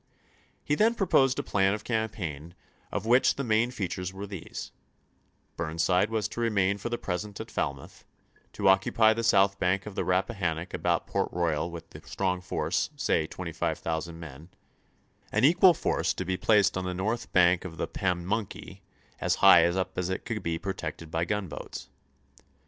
He then proposed a plan of campaign of which the main features were these : Burnside was to remain for the present at Falmouth ; to occupy the south bank of the Rappahannock about Port Royal with a strong force, say 25,000 men ; an equal force to be placed on the north bank of the Pamunkey as high up as it could be protected by gunboats.